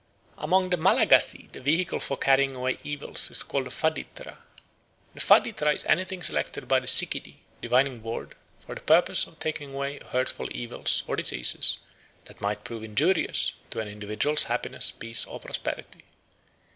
Amongst the Malagasy the vehicle for carrying away evils is called a faditra. "The faditra is anything selected by the sikidy [divining board] for the purpose of taking away any hurtful evils or diseases that might prove injurious to an individual's happiness, peace, or prosperity.